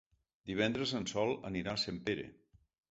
Divendres en Sol anirà a Sempere.